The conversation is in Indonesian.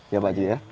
ya pakcik ya